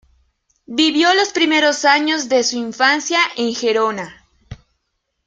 Vivió los primeros años de su infancia en Gerona.